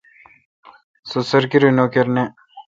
مہ سرکیری نوکر نہ۔